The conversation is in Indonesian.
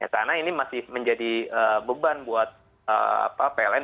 karena ini masih menjadi beban buat pln